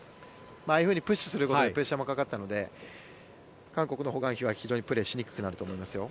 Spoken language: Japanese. ああいうふうにプッシュすることでプレッシャーもかかったので韓国のホ・グァンヒは非常にプレーしにくくなると思いますよ。